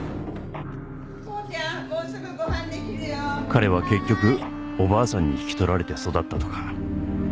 彼は結局おばあさんに引き取られて育ったとか。